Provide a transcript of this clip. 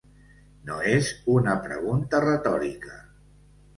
No és una pregunta retòrica.